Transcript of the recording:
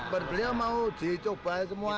beliau mau dicoba semua